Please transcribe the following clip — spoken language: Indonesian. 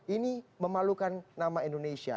ini memalukan nama indonesia